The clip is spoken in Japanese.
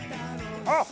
あっ！